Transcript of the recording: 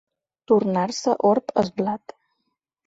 Tornar-se orb el blat.